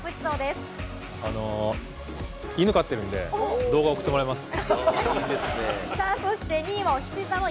犬飼ってるんで、動画を送ってもらいます。